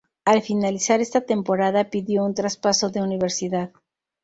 Al finalizar esta temporada pidió un traspaso de universidad.